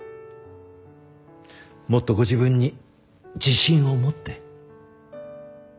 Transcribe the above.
もっとご自分に自信を持って。